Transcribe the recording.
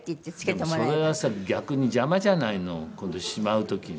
でもそれはさ逆に邪魔じゃないの今度しまう時に。